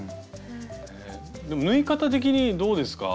でも縫い方的にどうですか？